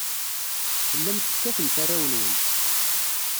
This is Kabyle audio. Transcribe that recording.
Tellamt tekkatemt arraw-nwent.